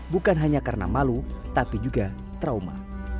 bukan hanya karena malu tapi juga trauma